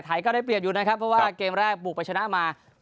ไทยก็ได้เปลี่ยนอยู่นะครับเพราะว่าเกมแรกปลูกไปจะชนะมา๒สูง